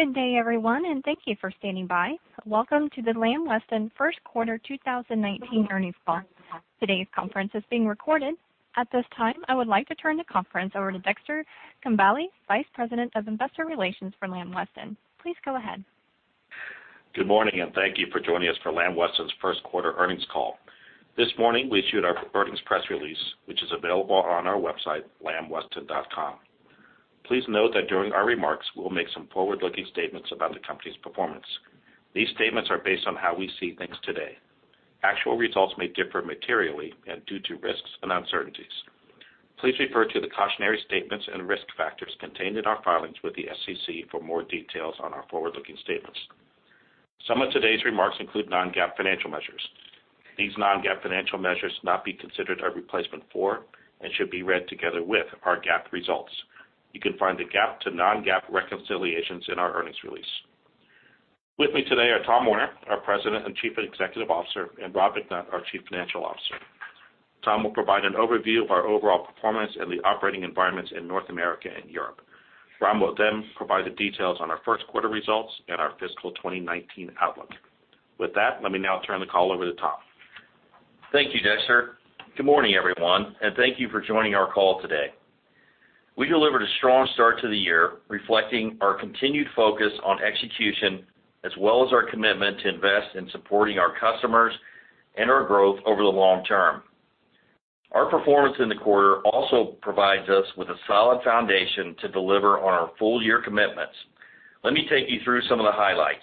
Good day everyone. Thank you for standing by. Welcome to the Lamb Weston first quarter 2019 earnings call. Today's conference is being recorded. At this time, I would like to turn the conference over to Dexter Congbalay, Vice President of Investor Relations for Lamb Weston. Please go ahead. Good morning. Thank you for joining us for Lamb Weston's first quarter earnings call. This morning, we issued our earnings press release, which is available on our website, lambweston.com. Please note that during our remarks, we'll make some forward-looking statements about the company's performance. These statements are based on how we see things today. Actual results may differ materially due to risks and uncertainties. Please refer to the cautionary statements and risk factors contained in our filings with the SEC for more details on our forward-looking statements. Some of today's remarks include non-GAAP financial measures. These non-GAAP financial measures should not be considered a replacement for and should be read together with our GAAP results. You can find the GAAP to non-GAAP reconciliations in our earnings release. With me today are Tom Werner, our President and Chief Executive Officer, and Robert McNutt, our Chief Financial Officer. Tom will provide an overview of our overall performance and the operating environments in North America and Europe. Rob will provide the details on our first quarter results and our fiscal 2019 outlook. With that, let me now turn the call over to Tom. Thank you, Dexter. Good morning, everyone. Thank you for joining our call today. We delivered a strong start to the year, reflecting our continued focus on execution, as well as our commitment to invest in supporting our customers and our growth over the long term. Our performance in the quarter also provides us with a solid foundation to deliver on our full year commitments. Let me take you through some of the highlights.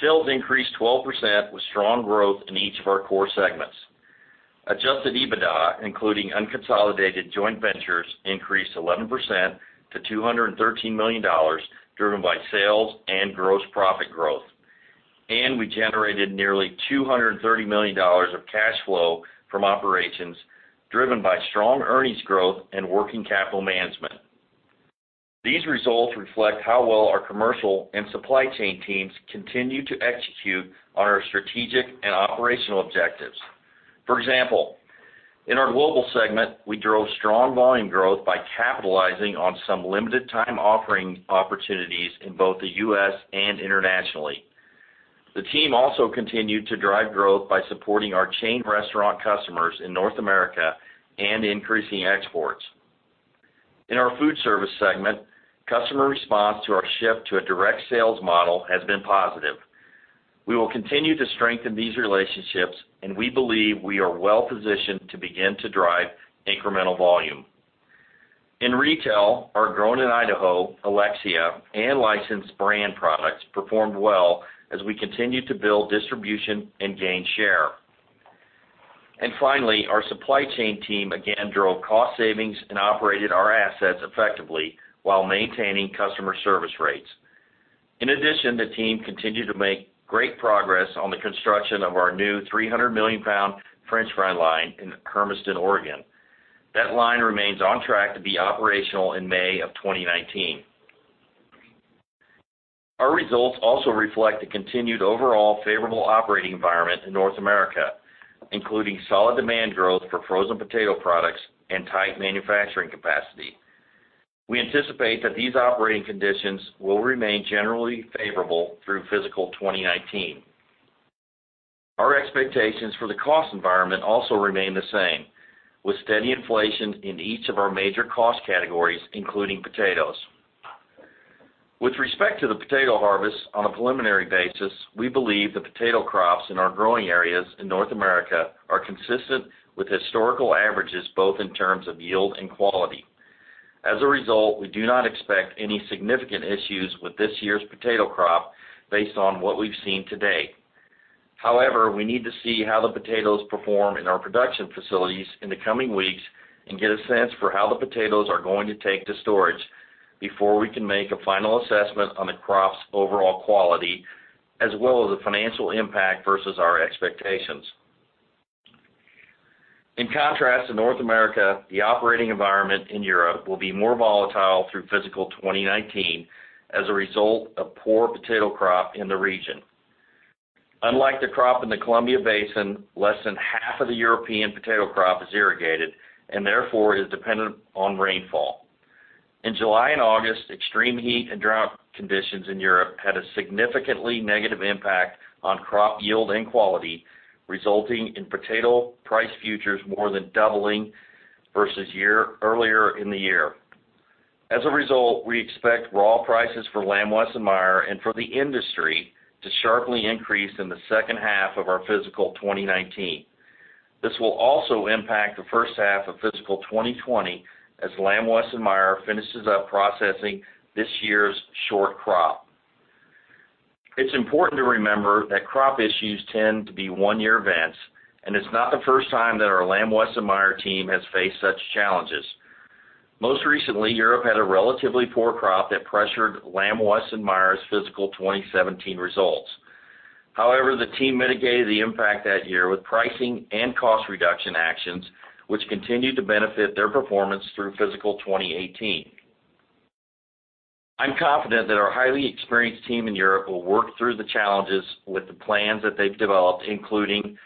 Sales increased 12% with strong growth in each of our core segments. Adjusted EBITDA, including unconsolidated joint ventures, increased 11% to $213 million, driven by sales and gross profit growth. We generated nearly $230 million of cash flow from operations, driven by strong earnings growth and working capital management. These results reflect how well our commercial and supply chain teams continue to execute on our strategic and operational objectives. For example, in our Global segment, we drove strong volume growth by capitalizing on some limited time offering opportunities in both the U.S. and internationally. The team also continued to drive growth by supporting our chain restaurant customers in North America and increasing exports. In our Foodservice segment, customer response to our shift to a direct sales model has been positive. We will continue to strengthen these relationships, and we believe we are well positioned to begin to drive incremental volume. In retail, our Grown in Idaho, Alexia, and licensed brand products performed well as we continued to build distribution and gain share. Finally, our supply chain team again drove cost savings and operated our assets effectively while maintaining customer service rates. In addition, the team continued to make great progress on the construction of our new 300 million pound french fry line in Hermiston, Oregon. That line remains on track to be operational in May of 2019. Our results also reflect the continued overall favorable operating environment in North America, including solid demand growth for frozen potato products and tight manufacturing capacity. We anticipate that these operating conditions will remain generally favorable through fiscal 2019. Our expectations for the cost environment also remain the same, with steady inflation in each of our major cost categories, including potatoes. With respect to the potato harvest, on a preliminary basis, we believe the potato crops in our growing areas in North America are consistent with historical averages, both in terms of yield and quality. As a result, we do not expect any significant issues with this year's potato crop based on what we've seen to date. However, we need to see how the potatoes perform in our production facilities in the coming weeks and get a sense for how the potatoes are going to take to storage before we can make a final assessment on the crop's overall quality, as well as the financial impact versus our expectations. In contrast to North America, the operating environment in Europe will be more volatile through fiscal 2019 as a result of poor potato crop in the region. Unlike the crop in the Columbia Basin, less than half of the European potato crop is irrigated and therefore is dependent on rainfall. In July and August, extreme heat and drought conditions in Europe had a significantly negative impact on crop yield and quality, resulting in potato price futures more than doubling versus earlier in the year. As a result, we expect raw prices for Lamb Weston Meijer and for the industry to sharply increase in the second half of our fiscal 2019. This will also impact the first half of fiscal 2020 as Lamb Weston Meijer finishes up processing this year's short crop. It's important to remember that crop issues tend to be one-year events, and it's not the first time that our Lamb Weston Meijer team has faced such challenges. Most recently, Europe had a relatively poor crop that pressured Lamb Weston Meijer's fiscal 2017 results. However, the team mitigated the impact that year with pricing and cost reduction actions, which continued to benefit their performance through fiscal 2018. I'm confident that our highly experienced team in Europe will work through the challenges with the plans that they've developed, including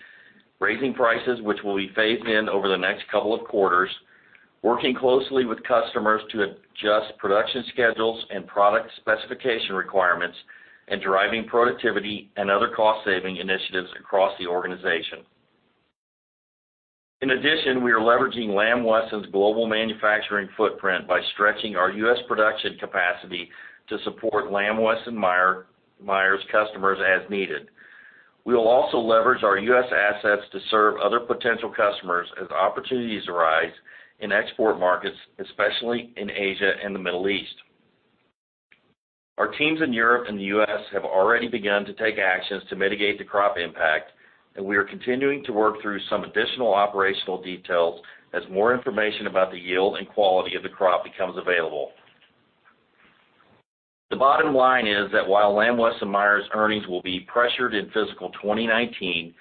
raising prices, which will be phased in over the next couple of quarters, working closely with customers to adjust production schedules and product specification requirements, and driving productivity and other cost-saving initiatives across the organization. In addition, we are leveraging Lamb Weston's global manufacturing footprint by stretching our U.S. production capacity to support Lamb Weston Meijer customers as needed. We will also leverage our U.S. assets to serve other potential customers as opportunities arise in export markets, especially in Asia and the Middle East. Our teams in Europe and the U.S. have already begun to take actions to mitigate the crop impact, and we are continuing to work through some additional operational details as more information about the yield and quality of the crop becomes available. The bottom line is that while Lamb Weston Meijer's earnings will be pressured in fiscal 2019,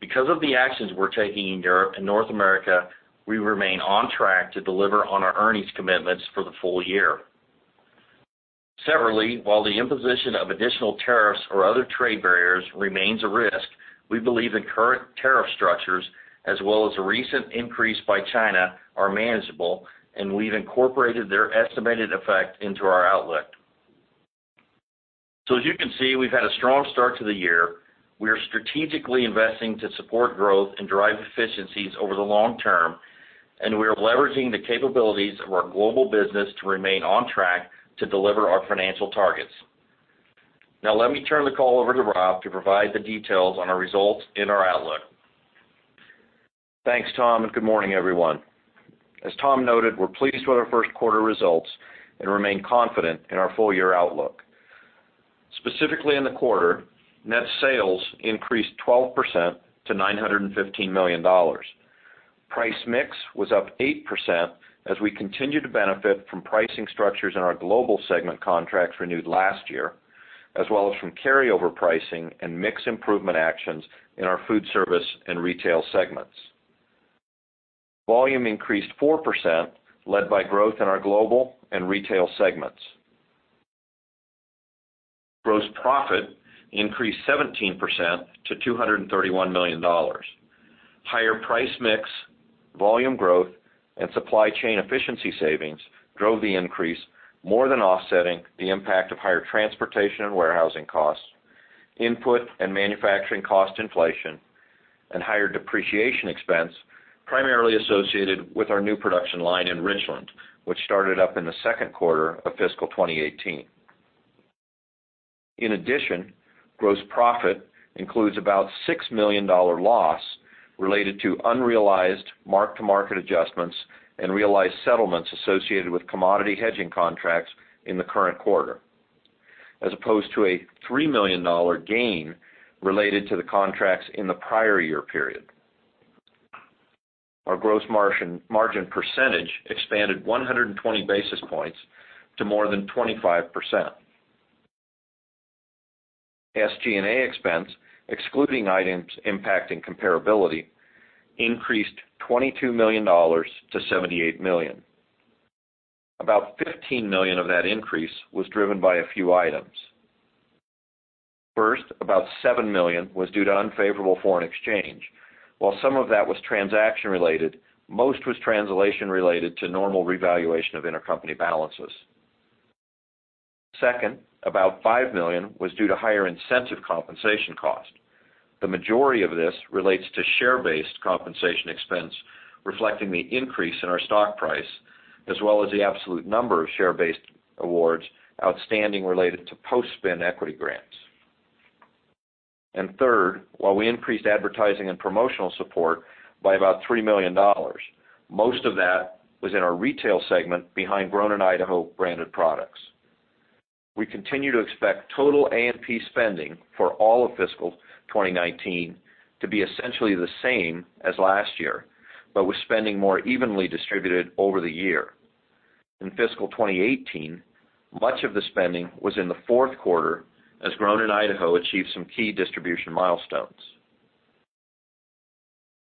because of the actions we're taking in Europe and North America, we remain on track to deliver on our earnings commitments for the full year. Separately, while the imposition of additional tariffs or other trade barriers remains a risk, we believe the current tariff structures, as well as a recent increase by China, are manageable, and we've incorporated their estimated effect into our outlook. As you can see, we've had a strong start to the year. We are strategically investing to support growth and drive efficiencies over the long term, and we are leveraging the capabilities of our global business to remain on track to deliver our financial targets. Let me turn the call over to Rob to provide the details on our results and our outlook. Thanks, Tom, and good morning, everyone. As Tom noted, we're pleased with our first quarter results and remain confident in our full-year outlook. Specifically in the quarter, net sales increased 12% to $915 million. Price mix was up 8% as we continue to benefit from pricing structures in our Global Segment contracts renewed last year, as well as from carryover pricing and mix improvement actions in our Foodservice and Retail Segments. Volume increased 4%, led by growth in our Global and Retail Segments. Gross profit increased 17% to $231 million. Higher price mix, volume growth, and supply chain efficiency savings drove the increase, more than offsetting the impact of higher transportation and warehousing costs, input and manufacturing cost inflation, and higher depreciation expense primarily associated with our new production line in Richland, which started up in the second quarter of fiscal 2018. Gross profit includes about a $6 million loss related to unrealized mark-to-market adjustments and realized settlements associated with commodity hedging contracts in the current quarter, as opposed to a $3 million gain related to the contracts in the prior year period. Our gross margin percentage expanded 120 basis points to more than 25%. SG&A expense, excluding items impacting comparability, increased $22 million to $78 million. About $15 million of that increase was driven by a few items. About $7 million was due to unfavorable foreign exchange. While some of that was transaction related, most was translation related to normal revaluation of intercompany balances. About $5 million was due to higher incentive compensation cost. The majority of this relates to share-based compensation expense, reflecting the increase in our stock price, as well as the absolute number of share-based awards outstanding related to post-spin equity grants. Third, while we increased advertising and promotional support by about $3 million, most of that was in our Retail segment behind Grown in Idaho branded products. We continue to expect total A&P spending for all of fiscal 2019 to be essentially the same as last year, but with spending more evenly distributed over the year. In fiscal 2018, much of the spending was in the fourth quarter as Grown in Idaho achieved some key distribution milestones.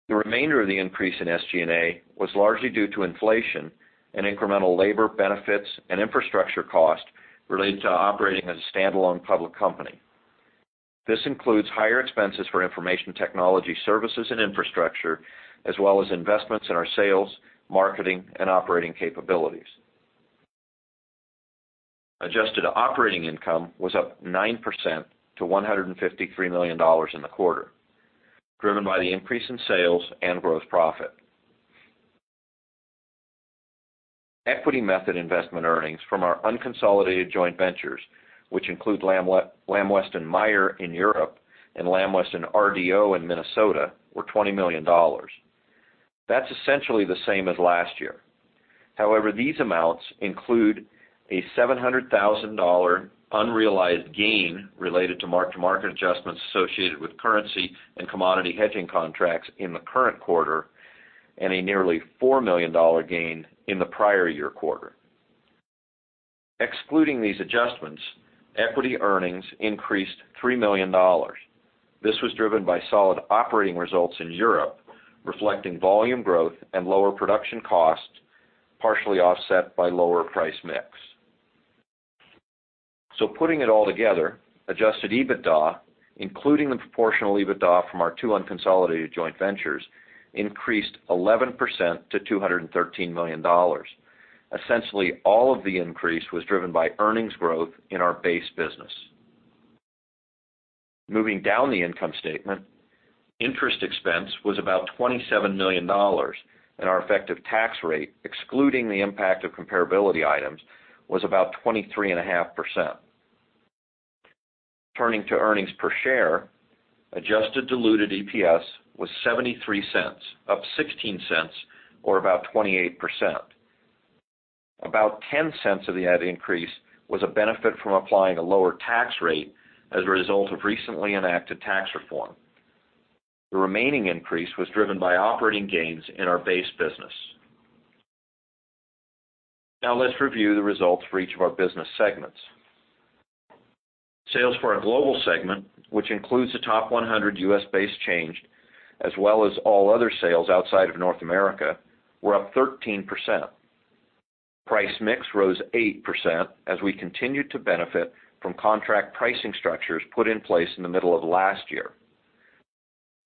The remainder of the increase in SG&A was largely due to inflation and incremental labor benefits and infrastructure costs related to operating as a standalone public company. This includes higher expenses for information technology services and infrastructure, as well as investments in our sales, marketing, and operating capabilities. Adjusted operating income was up 9% to $153 million in the quarter, driven by the increase in sales and gross profit. Equity method investment earnings from our unconsolidated joint ventures, which include Lamb Weston Meijer in Europe and Lamb Weston RDO in Minnesota, were $20 million. That's essentially the same as last year. However, these amounts include a $700,000 unrealized gain related to mark-to-market adjustments associated with currency and commodity hedging contracts in the current quarter, and a nearly $4 million gain in the prior year quarter. Excluding these adjustments, equity earnings increased $3 million. This was driven by solid operating results in Europe, reflecting volume growth and lower production costs, partially offset by lower price mix. Putting it all together, adjusted EBITDA, including the proportional EBITDA from our two unconsolidated joint ventures, increased 11% to $213 million. Essentially all of the increase was driven by earnings growth in our base business. Moving down the income statement, interest expense was about $27 million, and our effective tax rate, excluding the impact of comparability items, was about 23.5%. Turning to earnings per share, adjusted diluted EPS was $0.73, up $0.16 or about 28%. About $0.10 of that increase was a benefit from applying a lower tax rate as a result of recently enacted tax reform. The remaining increase was driven by operating gains in our base business. Let's review the results for each of our business segments. Sales for our global segment, which includes the top 100 U.S.-based chains, as well as all other sales outside of North America, were up 13%. Price mix rose 8% as we continued to benefit from contract pricing structures put in place in the middle of last year.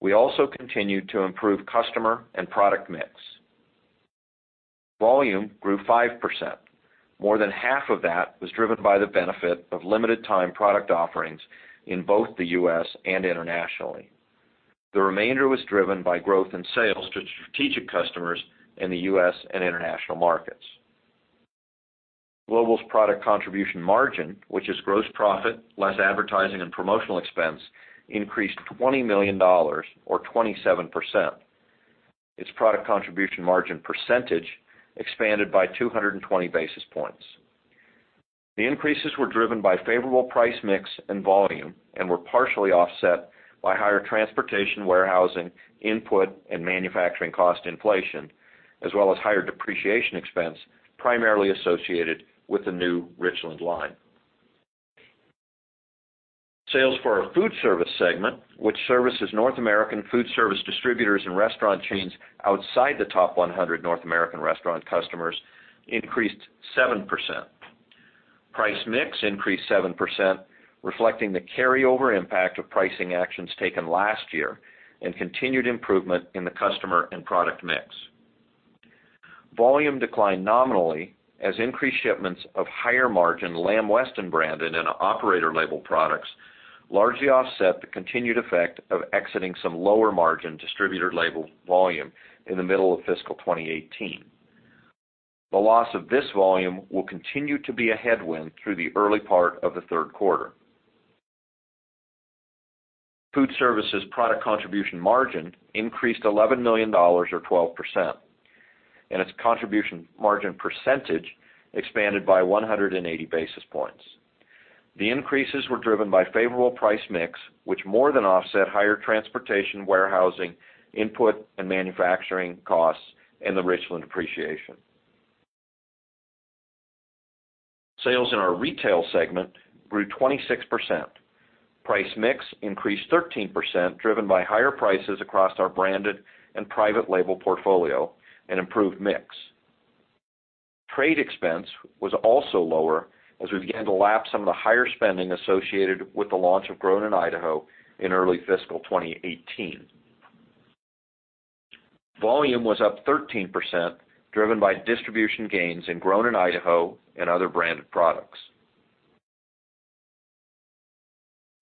We also continued to improve customer and product mix. Volume grew 5%. More than half of that was driven by the benefit of limited time product offerings in both the U.S. and internationally. The remainder was driven by growth in sales to strategic customers in the U.S. and international markets. Global's product contribution margin, which is gross profit less advertising and promotional expense, increased $20 million or 27%. Its product contribution margin percentage expanded by 220 basis points. The increases were driven by favorable price mix and volume and were partially offset by higher transportation, warehousing, input, and manufacturing cost inflation, as well as higher depreciation expense primarily associated with the new Richland line. Sales for our Foodservice segment, which services North American Foodservice distributors and restaurant chains outside the top 100 North American restaurant customers, increased 7%. Price mix increased 7%, reflecting the carryover impact of pricing actions taken last year and continued improvement in the customer and product mix. Volume declined nominally as increased shipments of higher margin Lamb Weston branded and operator label products largely offset the continued effect of exiting some lower margin distributor label volume in the middle of fiscal 2018. The loss of this volume will continue to be a headwind through the early part of the third quarter. Foodservices product contribution margin increased $11 million or 12%, and its contribution margin percentage expanded by 180 basis points. The increases were driven by favorable price mix, which more than offset higher transportation, warehousing, input, and manufacturing costs and the Richland depreciation. Sales in our Retail segment grew 26%. Price mix increased 13%, driven by higher prices across our branded and private label portfolio and improved mix. Trade expense was also lower as we began to lap some of the higher spending associated with the launch of Grown in Idaho in early fiscal 2018. Volume was up 13%, driven by distribution gains in Grown in Idaho and other branded products.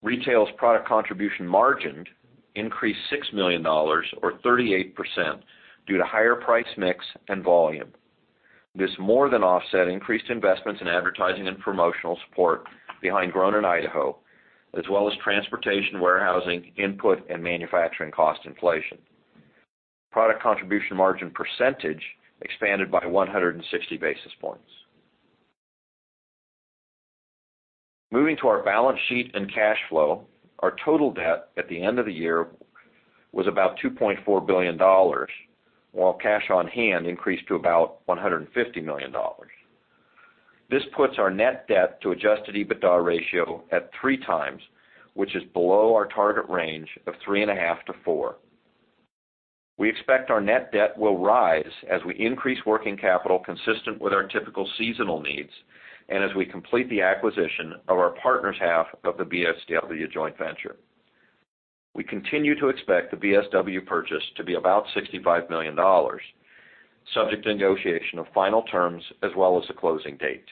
Retail's product contribution margin increased $6 million or 38% due to higher price mix and volume. This more than offset increased investments in advertising and promotional support behind Grown in Idaho, as well as transportation, warehousing, input, and manufacturing cost inflation. Product contribution margin percentage expanded by 160 basis points. Moving to our balance sheet and cash flow, our total debt at the end of the year was about $2.4 billion, while cash on hand increased to about $150 million. This puts our net debt to adjusted EBITDA ratio at 3x, which is below our target range of 3.5-4. We expect our net debt will rise as we increase working capital consistent with our typical seasonal needs and as we complete the acquisition of our partner's half of the BSW joint venture. We continue to expect the BSW purchase to be about $65 million, subject to negotiation of final terms as well as the closing date.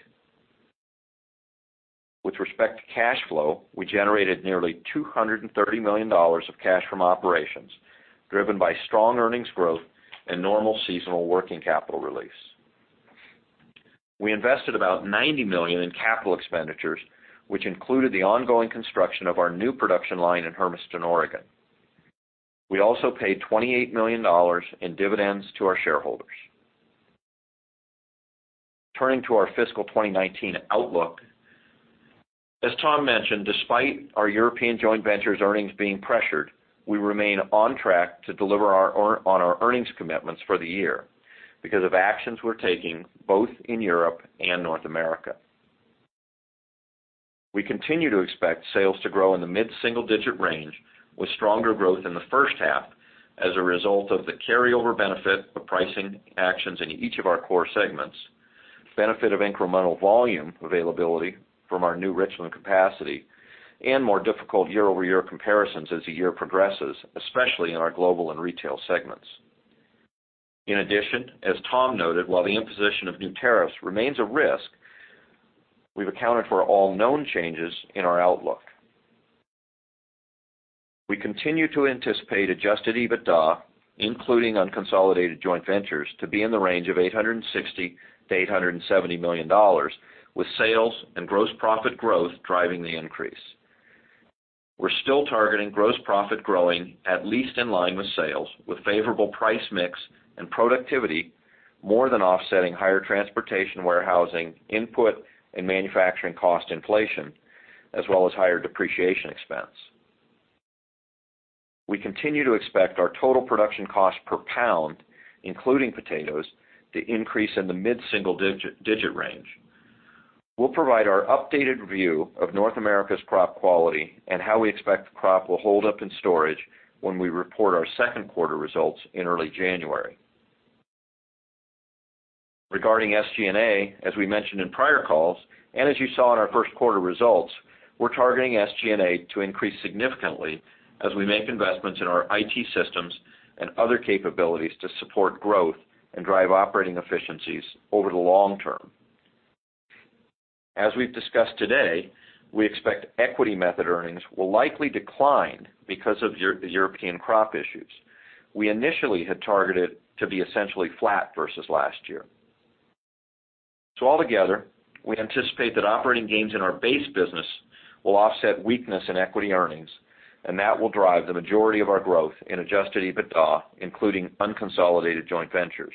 With respect to cash flow, we generated nearly $230 million of cash from operations, driven by strong earnings growth and normal seasonal working capital release. We invested about $90 million in capital expenditures, which included the ongoing construction of our new production line in Hermiston, Oregon. We also paid $28 million in dividends to our shareholders. Turning to our fiscal 2019 outlook, as Tom mentioned, despite our European joint ventures earnings being pressured, we remain on track to deliver on our earnings commitments for the year because of actions we're taking both in Europe and North America. We continue to expect sales to grow in the mid-single-digit range with stronger growth in the first half as a result of the carryover benefit of pricing actions in each of our core segments, benefit of incremental volume availability from our new Richland capacity, and more difficult year-over-year comparisons as the year progresses, especially in our Global and Retail segments. As Tom noted, while the imposition of new tariffs remains a risk, we've accounted for all known changes in our outlook. We continue to anticipate adjusted EBITDA, including unconsolidated joint ventures, to be in the range of $860 million-$870 million, with sales and gross profit growth driving the increase. We're still targeting gross profit growing at least in line with sales, with favorable price mix and productivity more than offsetting higher transportation, warehousing, input, and manufacturing cost inflation, as well as higher depreciation expense. We continue to expect our total production cost per pound, including potatoes, to increase in the mid-single-digit range. We'll provide our updated view of North America's crop quality and how we expect the crop will hold up in storage when we report our second quarter results in early January. Regarding SG&A, as we mentioned in prior calls, and as you saw in our first quarter results, we're targeting SG&A to increase significantly as we make investments in our IT systems and other capabilities to support growth and drive operating efficiencies over the long term. As we've discussed today, we expect equity method earnings will likely decline because of European crop issues. We initially had targeted to be essentially flat versus last year. All together, we anticipate that operating gains in our base business will offset weakness in equity earnings, and that will drive the majority of our growth in adjusted EBITDA, including unconsolidated joint ventures.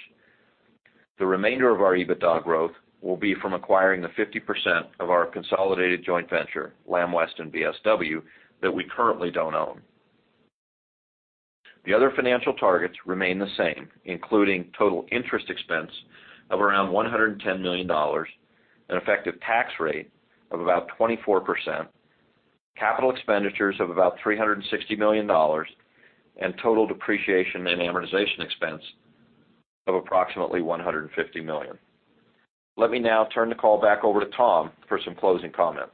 The remainder of our EBITDA growth will be from acquiring the 50% of our consolidated joint venture, Lamb Weston BSW, that we currently don't own. The other financial targets remain the same, including total interest expense of around $110 million, an effective tax rate of about 24%, capital expenditures of about $360 million, and total depreciation and amortization expense of approximately $150 million. Let me now turn the call back over to Tom for some closing comments.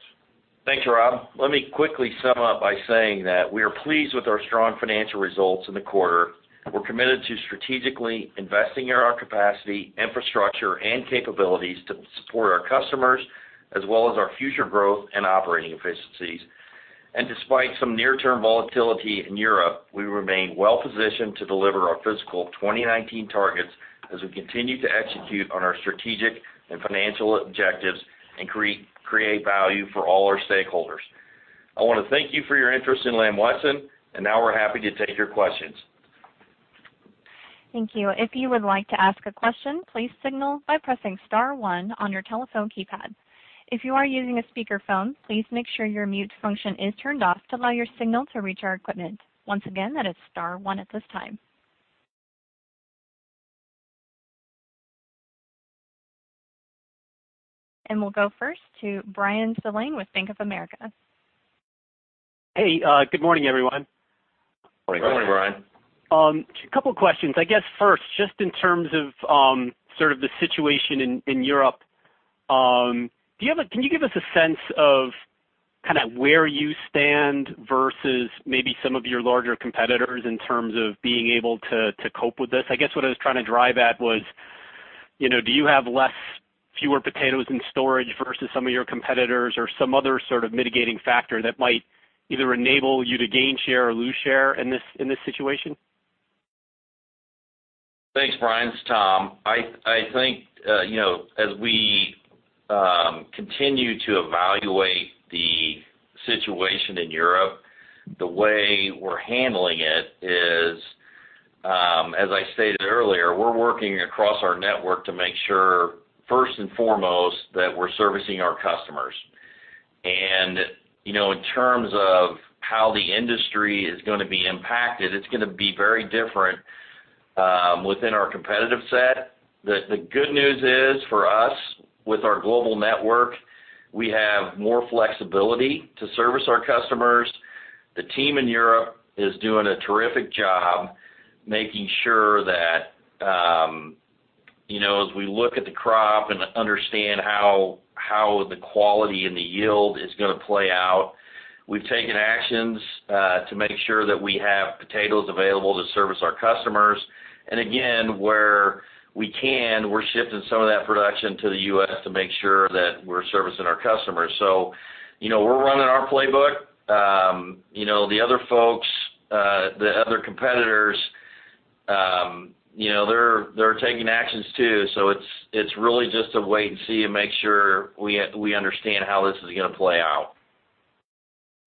Thanks, Rob. Let me quickly sum up by saying that we are pleased with our strong financial results in the quarter. We're committed to strategically investing in our capacity, infrastructure, and capabilities to support our customers as well as our future growth and operating efficiencies. Despite some near-term volatility in Europe, we remain well-positioned to deliver our fiscal 2019 targets as we continue to execute on our strategic and financial objectives and create value for all our stakeholders. I want to thank you for your interest in Lamb Weston. Now we're happy to take your questions. Thank you. If you would like to ask a question, please signal by pressing *1 on your telephone keypad. If you are using a speakerphone, please make sure your mute function is turned off to allow your signal to reach our equipment. Once again, that is *1 at this time. We'll go first to Bryan Spillane with Bank of America. Hey, good morning, everyone. Morning, Bryan. Good morning, Bryan. A couple questions. I guess first, just in terms of sort of the situation in Europe, can you give us a sense of where you stand versus maybe some of your larger competitors in terms of being able to cope with this? I guess what I was trying to drive at was, do you have less, fewer potatoes in storage versus some of your competitors or some other sort of mitigating factor that might either enable you to gain share or lose share in this situation? Thanks, Bryan. It's Tom. I think as we continue to evaluate the situation in Europe, the way we're handling it is, as I stated earlier, we're working across our network to make sure, first and foremost, that we're servicing our customers. In terms of how the industry is going to be impacted, it's going to be very different within our competitive set. The good news is for us, with our global network, we have more flexibility to service our customers. The team in Europe is doing a terrific job making sure that as we look at the crop and understand how the quality and the yield is going to play out, we've taken actions to make sure that we have potatoes available to service our customers. Again, where we can, we're shifting some of that production to the U.S. to make sure that we're servicing our customers. We're running our playbook. The other folks, the other competitors, they're taking actions too. It's really just a wait and see and make sure we understand how this is going to play out.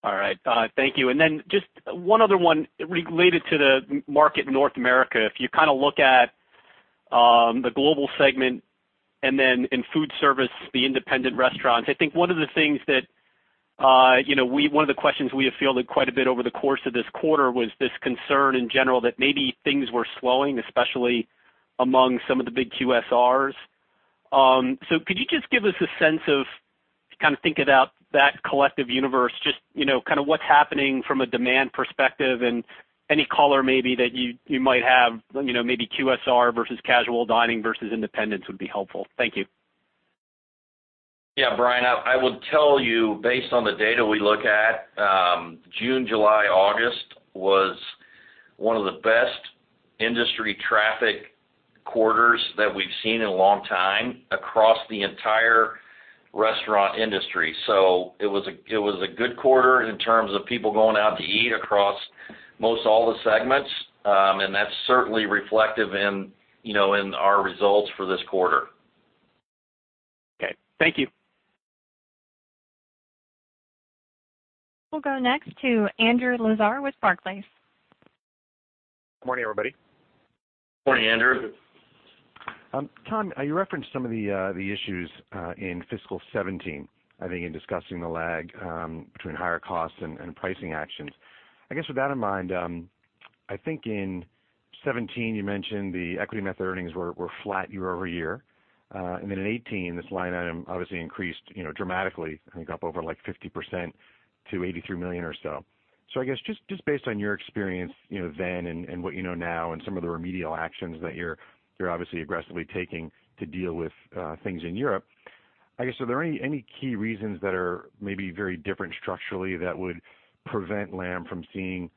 All right. Thank you. Just one other one related to the market in North America. If you look at the global segment and then inFoodservice, the independent restaurants, I think one of the questions we have fielded quite a bit over the course of this quarter was this concern in general that maybe things were slowing, especially among some of the big QSRs. Could you just give us a sense of, kind of thinking about that collective universe, just kind of what's happening from a demand perspective and any color maybe that you might have, maybe QSR versus casual dining versus independents would be helpful. Thank you. Yeah, Bryan, I would tell you based on the data we look at June, July, August was one of the best industry traffic quarters that we've seen in a long time across the entire restaurant industry. It was a good quarter in terms of people going out to eat across most all the segments. That's certainly reflective in our results for this quarter. Okay. Thank you. We'll go next to Andrew Lazar with Barclays. Good morning, everybody. Good morning, Andrew. Tom, you referenced some of the issues in fiscal 2017, I think, in discussing the lag between higher costs and pricing actions. I guess with that in mind, I think in 2017, you mentioned the equity method earnings were flat year-over-year. In 2018, this line item obviously increased dramatically, I think up over 50% to $83 million or so. I guess just based on your experience then and what you know now and some of the remedial actions that you're obviously aggressively taking to deal with things in Europe, I guess, are there any key reasons that are maybe very different structurally that would prevent Lamb from seeing,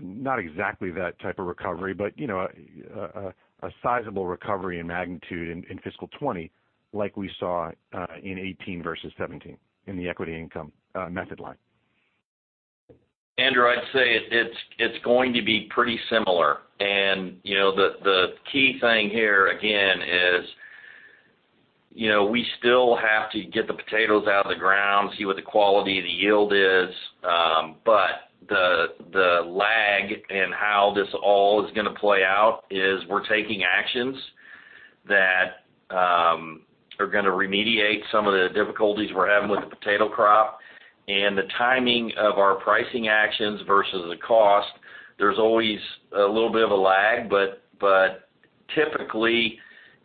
not exactly that type of recovery, but a sizable recovery in magnitude in fiscal 2020, like we saw in 2018 versus 2017 in the equity income method line? Andrew, I'd say it's going to be pretty similar. The key thing here again is we still have to get the potatoes out of the ground, see what the quality of the yield is. The lag in how this all is going to play out is we're taking actions that are going to remediate some of the difficulties we're having with the potato crop. The timing of our pricing actions versus the cost, there's always a little bit of a lag, but typically,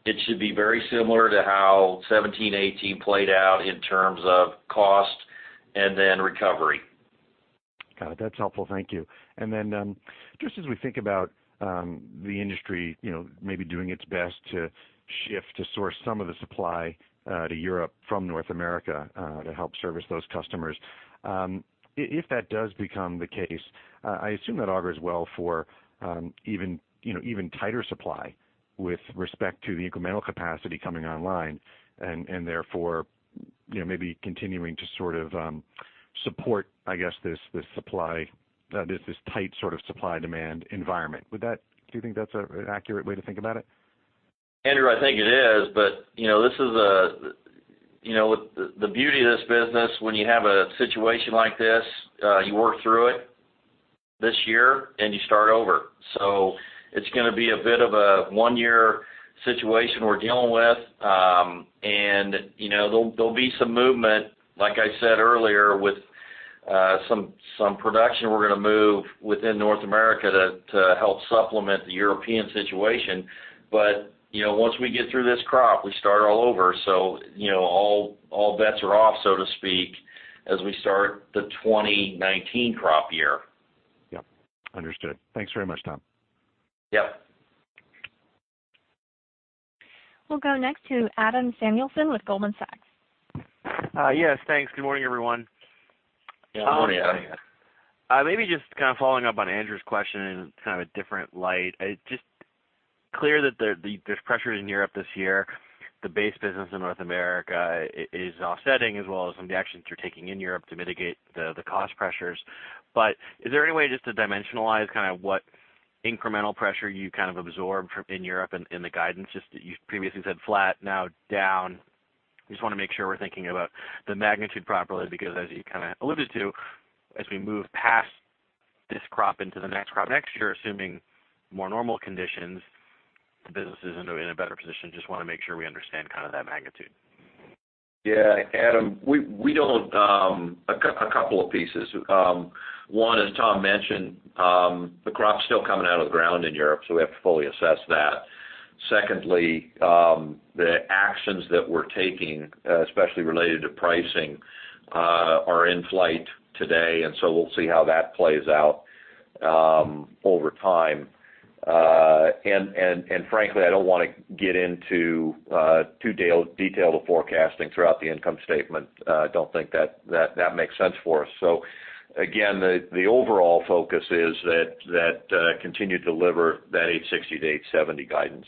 it should be very similar to how 2017, 2018 played out in terms of cost and then recovery. Got it. That's helpful. Thank you. Just as we think about the industry maybe doing its best to shift to source some of the supply to Europe from North America to help service those customers. If that does become the case, I assume that augurs well for even tighter supply with respect to the incremental capacity coming online, and therefore, maybe continuing to sort of support, I guess, this tight sort of supply-demand environment. Do you think that's an accurate way to think about it? Andrew, I think it is, but the beauty of this business, when you have a situation like this, you work through it this year, and you start over. It's going to be a bit of a one-year situation we're dealing with. There'll be some movement, like I said earlier, with some production we're going to move within North America to help supplement the European situation. Once we get through this crop, we start all over. All bets are off, so to speak, as we start the 2019 crop year. Yep. Understood. Thanks very much, Tom. Yep. We'll go next to Adam Samuelson with Goldman Sachs. Yes, thanks. Good morning, everyone. Good morning, Adam. Maybe just kind of following up on Andrew's question in kind of a different light. It's just clear that there's pressure in Europe this year. The base business in North America is offsetting as well as some of the actions you're taking in Europe to mitigate the cost pressures. Is there any way just to dimensionalize kind of what incremental pressure you kind of absorbed in Europe in the guidance? You previously said flat, now down. Just want to make sure we're thinking about the magnitude properly, because as you kind of alluded to, as we move past this crop into the next crop next year, assuming more normal conditions, the business is in a better position. Just want to make sure we understand kind of that magnitude. Yeah. Adam, a couple of pieces. One, as Tom mentioned, the crop's still coming out of the ground in Europe, so we have to fully assess that. Secondly, the actions that we're taking, especially related to pricing, are in flight today. We'll see how that plays out over time. Frankly, I don't want to get into too detailed a forecasting throughout the income statement. Don't think that makes sense for us. Again, the overall focus is that continue to deliver that $860-$870 guidance.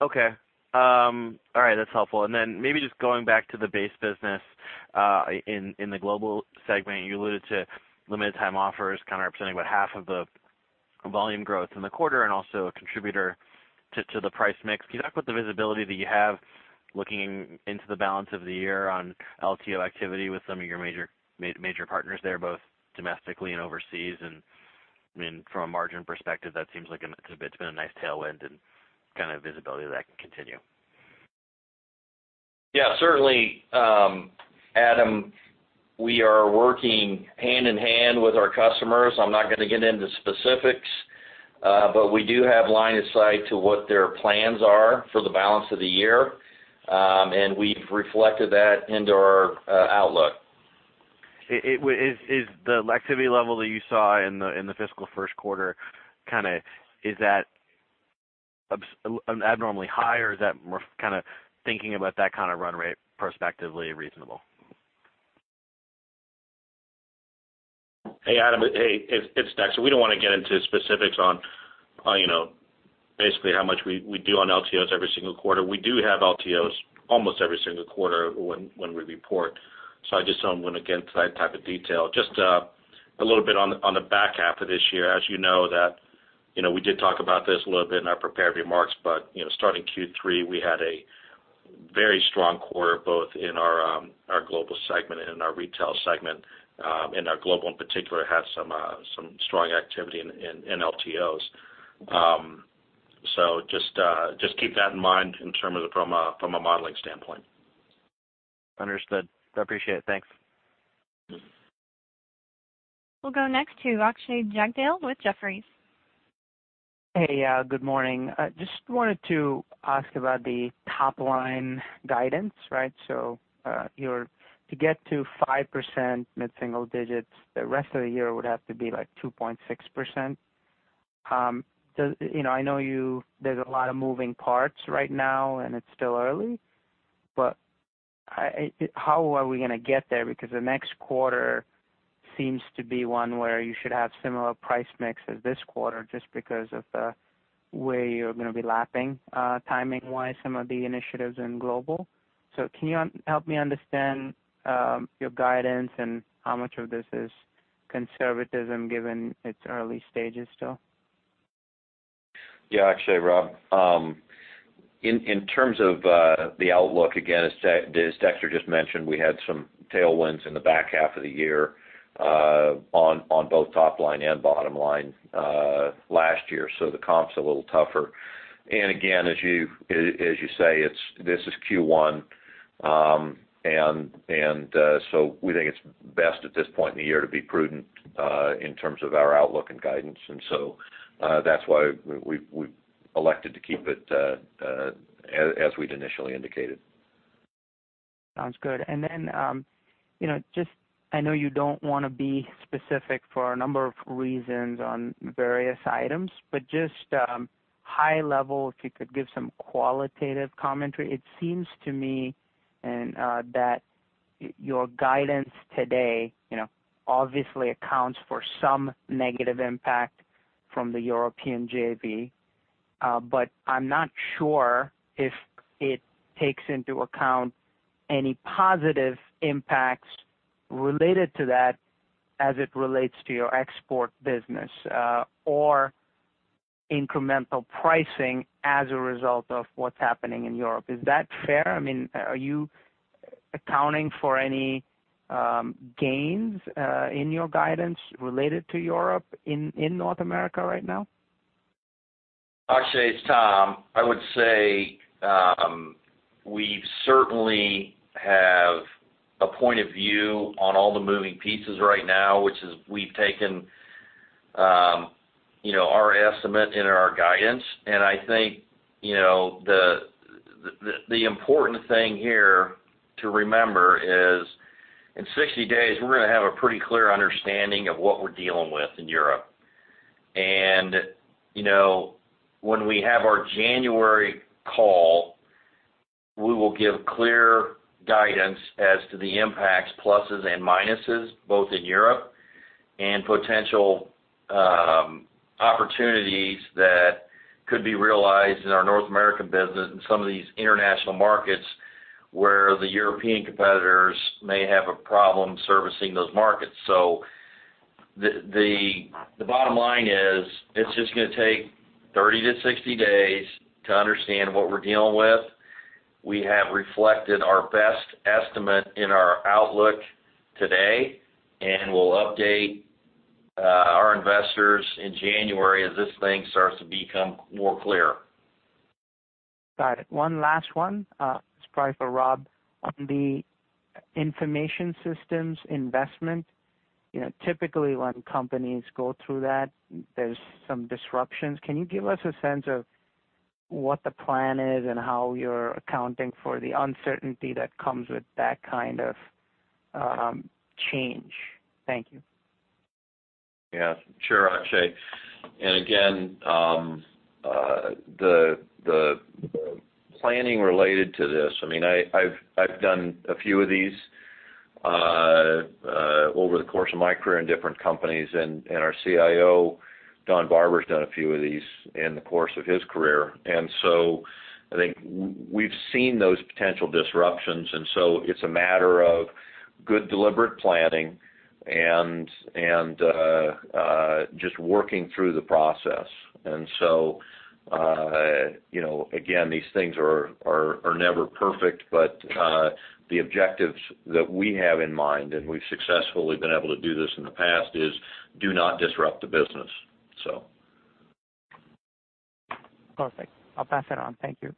Okay. All right. That's helpful. Then maybe just going back to the base business in the global segment, you alluded to limited time offers kind of representing about half of the volume growth in the quarter and also a contributor to the price mix. Can you talk about the visibility that you have looking into the balance of the year on LTO activity with some of your major partners there, both domestically and overseas. From a margin perspective, that seems like it's been a nice tailwind and kind of visibility that can continue. Yeah, certainly, Adam. We are working hand-in-hand with our customers. I'm not going to get into specifics, but we do have line of sight to what their plans are for the balance of the year. We've reflected that into our outlook. Is the activity level that you saw in the fiscal first quarter, is that abnormally high, or is that, thinking about that kind of run rate prospectively, reasonable? Hey, Adam. Hey, it's Dexter. We don't want to get into specifics on basically how much we do on LTOs every single quarter. We do have LTOs almost every single quarter when we report, I just don't want to get into that type of detail. Just a little bit on the back half of this year, as you know that, we did talk about this a little bit in our prepared remarks, but starting Q3, we had a very strong quarter, both in our global segment and in our retail segment. Our global, in particular, had some strong activity in LTOs. Just keep that in mind from a modeling standpoint. Understood. I appreciate it. Thanks. We'll go next to Akshay Jagdale with Jefferies. Hey, good morning. Just wanted to ask about the top-line guidance, right? To get to 5% mid-single digits, the rest of the year would have to be like 2.6%. I know there's a lot of moving parts right now, and it's still early, how are we going to get there? The next quarter seems to be one where you should have similar price mix as this quarter, just because of the way you're going to be lapping timing-wise some of the initiatives in global. Can you help me understand your guidance and how much of this is conservatism given it's early stages still? Yeah. Akshay, Rob. In terms of the outlook, again, as Dexter just mentioned, we had some tailwinds in the back half of the year on both top line and bottom line last year, the comp's a little tougher. Again, as you say, this is Q1. We think it's best at this point in the year to be prudent in terms of our outlook and guidance. That's why we've elected to keep it as we'd initially indicated. Sounds good. I know you don't want to be specific for a number of reasons on various items, just high level, if you could give some qualitative commentary. It seems to me that your guidance today obviously accounts for some negative impact from the European JV. I'm not sure if it takes into account any positive impacts related to that as it relates to your export business, or incremental pricing as a result of what's happening in Europe. Is that fair? Are you accounting for any gains in your guidance related to Europe in North America right now? Akshay, it's Tom. I would say we certainly have a point of view on all the moving pieces right now, which is we've taken our estimate in our guidance. I think the important thing here to remember is in 60 days, we're going to have a pretty clear understanding of what we're dealing with in Europe. When we have our January call, we will give clear guidance as to the impacts, pluses and minuses, both in Europe and potential opportunities that could be realized in our North American business and some of these international markets where the European competitors may have a problem servicing those markets. The bottom line is, it's just going to take 30 to 60 days to understand what we're dealing with. We have reflected our best estimate in our outlook today, and we'll update our investors in January as this thing starts to become more clear. Got it. One last one. It's probably for Rob. On the information systems investment, typically when companies go through that, there's some disruptions. Can you give us a sense of what the plan is and how you're accounting for the uncertainty that comes with that kind of change? Thank you. Yeah. Sure, Akshay. Again, the planning related to this, I've done a few of these over the course of my career in different companies, and our CIO, Don Barber, has done a few of these in the course of his career. I think we've seen those potential disruptions, and so it's a matter of good deliberate planning and just working through the process. Again, these things are never perfect, but the objectives that we have in mind, and we've successfully been able to do this in the past, is do not disrupt the business. Perfect. I'll pass it on. Thank you.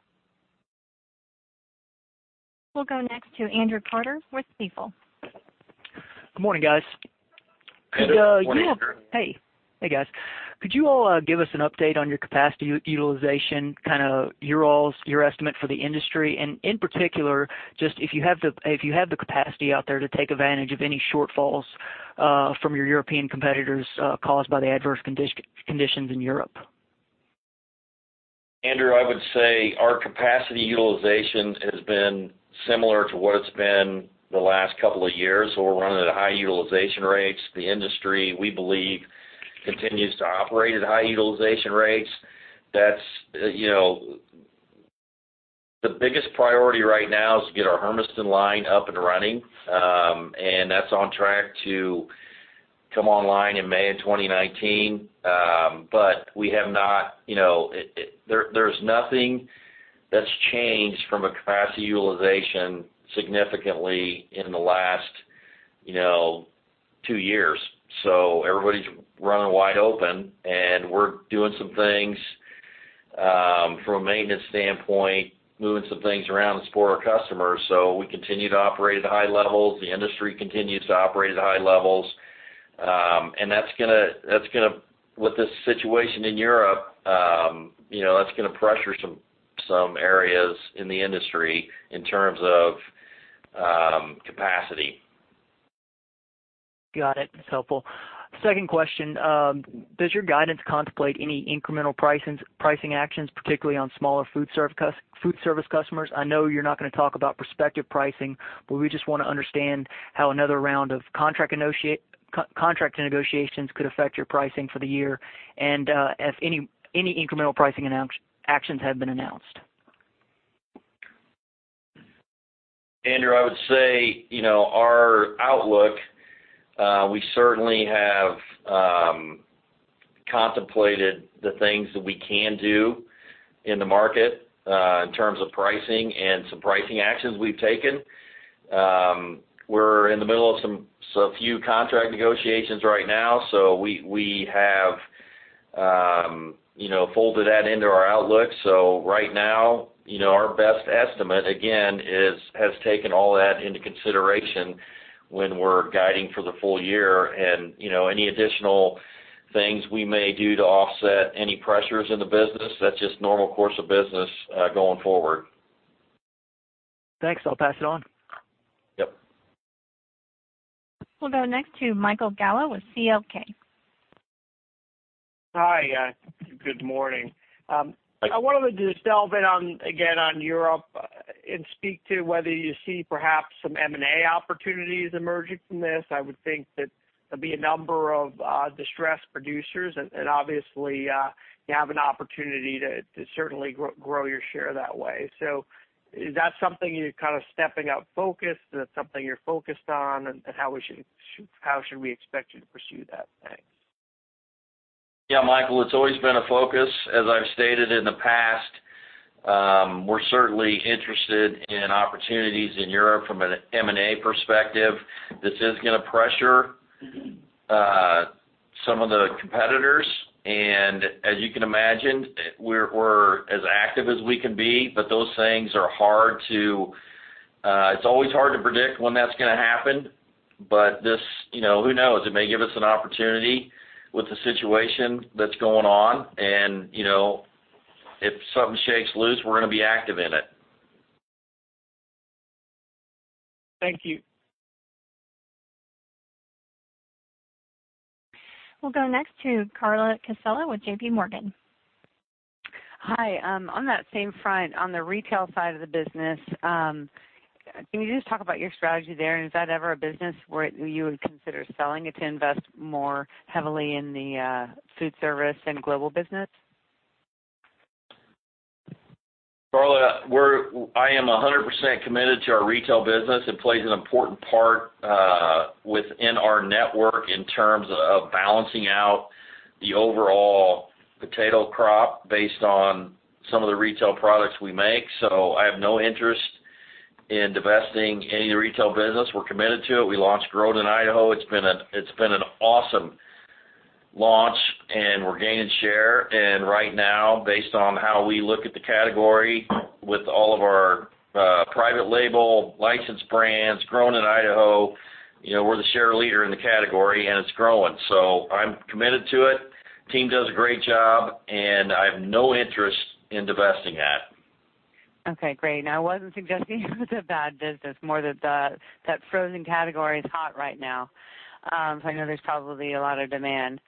We'll go next to Andrew Carter with Stifel. Good morning, guys. Andrew, good morning. Hey. Hey, guys. Could you all give us an update on your capacity utilization, your estimate for the industry, and in particular, if you have the capacity out there to take advantage of any shortfalls from your European competitors caused by the adverse conditions in Europe? Andrew, I would say our capacity utilization has been similar to what it's been the last couple of years. We're running at high utilization rates. The industry, we believe, continues to operate at high utilization rates. The biggest priority right now is to get our Hermiston line up and running. That's on track to come online in May of 2019. There's nothing that's changed from a capacity utilization significantly in the last two years. Everybody's running wide open, and we're doing some things from a maintenance standpoint, moving some things around that's for our customers. We continue to operate at high levels. The industry continues to operate at high levels. With this situation in Europe, that's going to pressure some areas in the industry in terms of capacity. Got it. That's helpful. Second question. Does your guidance contemplate any incremental pricing actions, particularly on smaller Foodservice customers? I know you're not going to talk about prospective pricing, but we just want to understand how another round of contract negotiations could affect your pricing for the year, and if any incremental pricing actions have been announced. Andrew, I would say our outlook, we certainly have contemplated the things that we can do in the market in terms of pricing and some pricing actions we've taken. We're in the middle of a few contract negotiations right now. We have folded that into our outlook. Right now, our best estimate, again, has taken all that into consideration when we're guiding for the full year. Any additional things we may do to offset any pressures in the business, that's just normal course of business going forward. Thanks. I'll pass it on. Yep. We'll go next to Michael Gallo with CLK. Hi. Good morning. I wanted to just delve in again on Europe and speak to whether you see perhaps some M&A opportunities emerging from this. I would think that there'll be a number of distressed producers, and obviously, you have an opportunity to certainly grow your share that way. Is that something you're stepping up focus? Is that something you're focused on? How should we expect you to pursue that? Thanks. Yeah, Michael, it's always been a focus. As I've stated in the past, we're certainly interested in opportunities in Europe from an M&A perspective. This is going to pressure some of the competitors. As you can imagine, we're as active as we can be, but it's always hard to predict when that's going to happen. Who knows? It may give us an opportunity with the situation that's going on, and if something shakes loose, we're going to be active in it. Thank you. We'll go next to Carla Casella with JPMorgan. Hi. On that same front, on the retail side of the business, can you just talk about your strategy there? Is that ever a business where you would consider selling it to invest more heavily in the Foodservice and Global business? Carla, I am 100% committed to our retail business. It plays an important part within our network in terms of balancing out the overall potato crop based on some of the retail products we make. I have no interest in divesting any of the retail business. We're committed to it. We launched Grown in Idaho. It's been an awesome launch, and we're gaining share. Right now, based on how we look at the category with all of our private label licensed brands, Grown in Idaho, we're the share leader in the category, and it's growing. I'm committed to it. Team does a great job, and I have no interest in divesting that. Okay, great. I wasn't suggesting it was a bad business, more that that frozen category is hot right now. I know there's probably a lot of demand.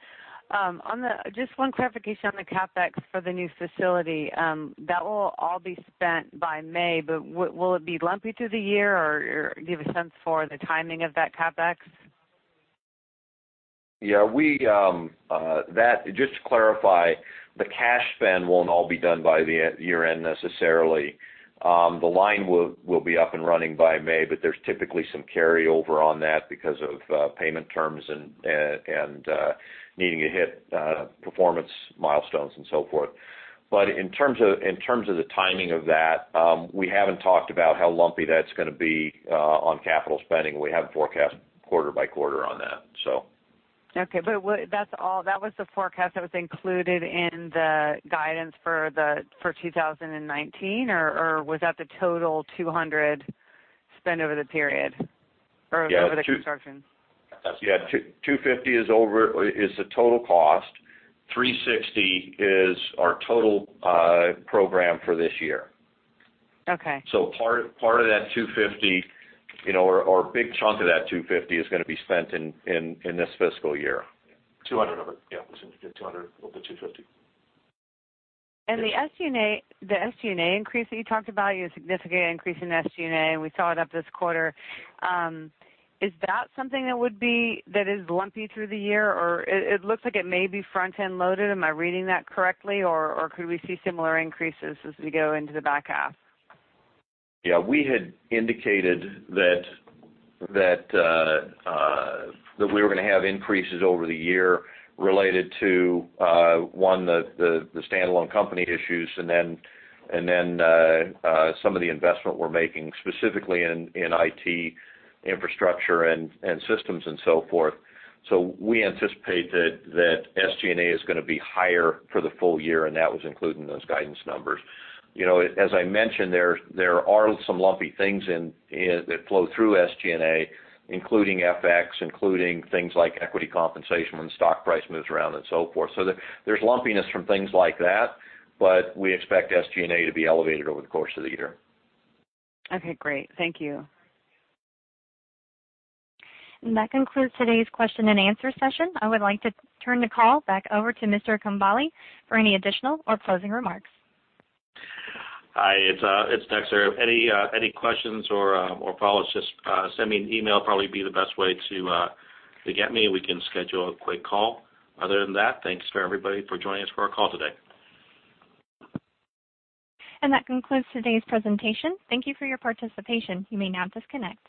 Just one clarification on the CapEx for the new facility. That will all be spent by May, but will it be lumpy through the year, or give a sense for the timing of that CapEx? Yeah. Just to clarify, the cash spend won't all be done by the year-end necessarily. The line will be up and running by May, but there's typically some carryover on that because of payment terms and needing to hit performance milestones and so forth. In terms of the timing of that, we haven't talked about how lumpy that's going to be on capital spending. We haven't forecast quarter by quarter on that. Okay. That was the forecast that was included in the guidance for 2019, or was that the total $200 spend over the period? Over the construction? Yeah. $250 is the total cost. $360 is our total program for this year. Okay. Part of that $250, or a big chunk of that $250, is going to be spent in this fiscal year. $200 of it. Yeah. We said we'd get $200 of the $250. The SG&A increase that you talked about, a significant increase in SG&A, and we saw it up this quarter, is that something that is lumpy through the year? It looks like it may be front-end loaded. Am I reading that correctly, or could we see similar increases as we go into the back half? Yeah. We had indicated that we were going to have increases over the year related to, one, the standalone company issues and then some of the investment we're making, specifically in IT infrastructure and systems and so forth. We anticipate that SG&A is going to be higher for the full year, and that was included in those guidance numbers. As I mentioned, there are some lumpy things in it that flow through SG&A, including FX, including things like equity compensation when the stock price moves around and so forth. There's lumpiness from things like that, but we expect SG&A to be elevated over the course of the year. Okay, great. Thank you. That concludes today's question and answer session. I would like to turn the call back over to Mr. Congbalay for any additional or closing remarks. Hi, it's Dexter. Any questions or follow-ups, just send me an email, probably be the best way to get me, and we can schedule a quick call. Other than that, thanks to everybody for joining us for our call today. That concludes today's presentation. Thank you for your participation. You may now disconnect.